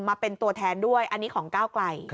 มาเป็นตัวแทนด้วยอันนี้ของก้าวไกล